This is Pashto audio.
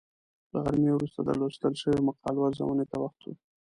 له غرمې وروسته د لوستل شویو مقالو ارزونې ته وخت و.